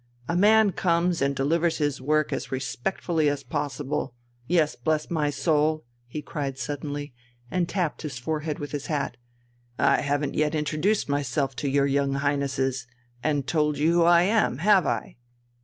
A man comes and delivers his work as respectfully as possible.... Yes, bless my soul!" he cried suddenly, and tapped his forehead with his hat. "I haven't yet introduced myself to your young Highnesses and told you who I am, have I?